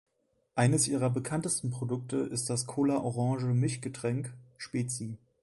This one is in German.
Eines ihrer bekanntesten Produkte ist das Cola-Orange-Mischgetränk Spezi.